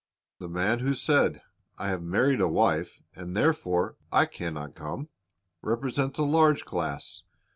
The man who said, 'T have married a wife, and therefore I can not come," represents a large class.